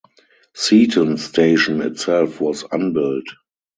Seaton station itself was unbuilt.